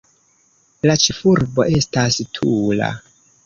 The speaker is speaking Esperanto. La ĉefurbo estas Tula.